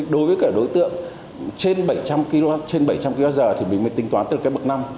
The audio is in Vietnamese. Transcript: đối với đối tượng trên bảy trăm linh kwh thì mình mới tính toán từ bậc năm